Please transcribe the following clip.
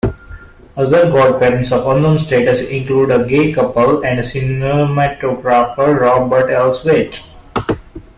Other godparents of unknown status include a gay couple and cinematographer Robert Elswit.